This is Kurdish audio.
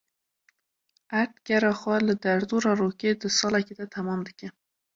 Erd gera xwe li derdora rokê di salekê de temam dike.